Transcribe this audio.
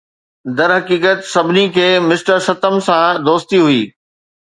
درحقيقت، سڀني کي مسٽر ستم سان دوستي هئي